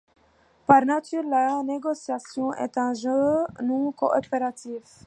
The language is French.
Par nature la négociation est un jeu non-coopératif.